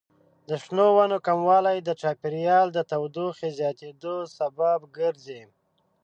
د شنو ونو کموالی د چاپیریال د تودوخې زیاتیدو سبب ګرځي.